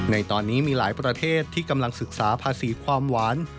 ในตอนนี้มีหลายประเทศที่กำลังศึกษาภาษีความหวาน